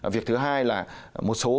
việc thứ hai là một số các thiết bị này